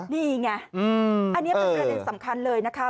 นี่ไงอันนี้เป็นประเด็นสำคัญเลยนะคะ